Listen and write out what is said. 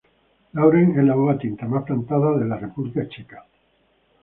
Laurent es la uva tinta más plantada de la República Checa.